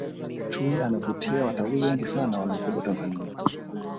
chui anavutia watalii wengi sana wanaokuja tanzania